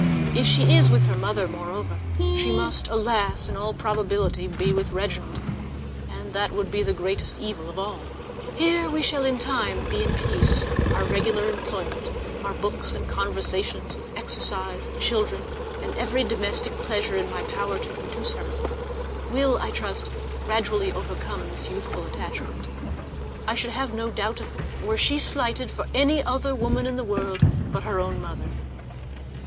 If she is with her mother, moreover, she must, alas! in all probability be with Reginald, and that would be the greatest evil of all. Here we shall in time be in peace, and our regular employments, our books and conversations, with exercise, the children, and every domestic pleasure in my power to procure her, will, I trust, gradually overcome this youthful attachment. I should not have a doubt of it were she slighted for any other woman in the world than her own mother.